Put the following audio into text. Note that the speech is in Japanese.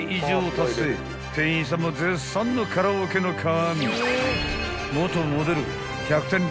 ［店員さんも絶賛のカラオケの神］